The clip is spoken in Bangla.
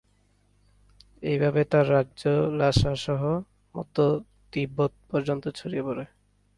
এইভাবে তাঁর রাজ্য লাসা সহ মধ্য তিব্বত পর্যন্ত ছড়িয়ে পড়ে।